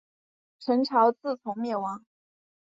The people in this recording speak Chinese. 陈朝自从灭亡。